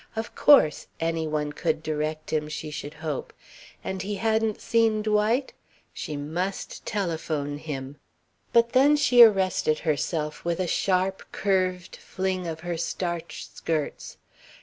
Of course! Any one could direct him, she should hope. And he hadn't seen Dwight? She must telephone him. But then she arrested herself with a sharp, curved fling of her starched skirts.